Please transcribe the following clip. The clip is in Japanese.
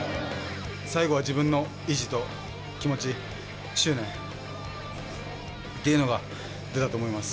最後は自分の意地と気持ち、執念っていうのが出たと思います。